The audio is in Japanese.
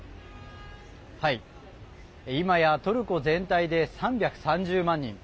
いまやトルコ全体で３３０万人。